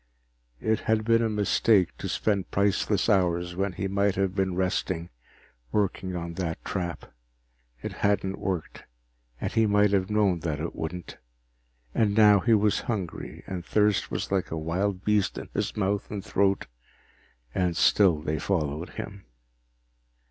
It had been a mistake to spend priceless hours when he might have been resting working on that trap. It hadn't worked, and he might have known that it wouldn't. And now he was hungry, and thirst was like a wild beast in his mouth and throat, and still they followed him.